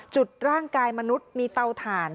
จุดร่างกายมนุษย์มีเตาถ่าน